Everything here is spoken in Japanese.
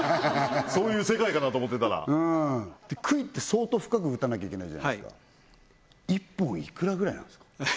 そういう世界かなと思ってたら杭って相当深く打たなきゃいけないじゃないですか１本いくらぐらいなんですか？